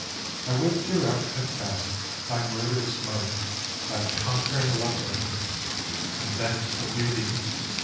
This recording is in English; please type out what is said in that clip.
I would throughout confess Thy murderous mirth, thy conquering loveliness, And then subdue thee!